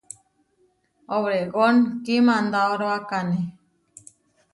Obregón kimandaróakane.